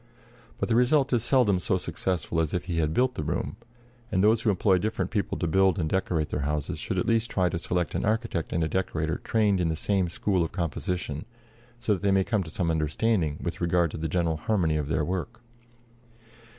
But the result is seldom so successful as if he had built the room, and those who employ different people to build and decorate their houses should at least try to select an architect and a decorator trained in the same school of composition, so that they may come to some understanding with regard to the general harmony of their work.